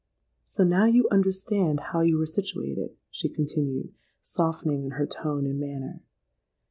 —'So now you understand how you are situated,' she continued, softening in her tone and manner.